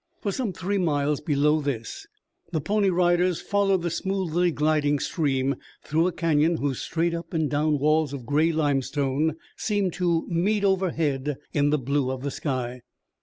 For some three miles below this the Pony Riders followed the smoothly gliding stream through a canyon whose straight up and down walls of gray limestone seemed to meet overhead in the blue of the sky.